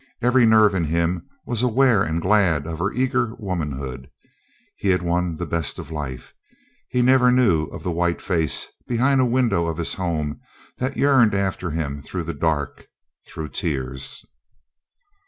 Every nerve in him was aware and glad of her eager womanhood. He had won the best of life. ... He never knew of the white face behind a window of his home that yearned after him through the dark, through tears.